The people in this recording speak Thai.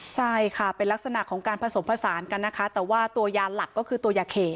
ใช่ค่ะเป็นลักษณะของการผสมผสานกันนะคะแต่ว่าตัวยานหลักก็คือตัวยาเข